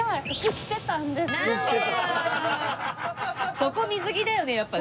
そこ水着だよねやっぱね。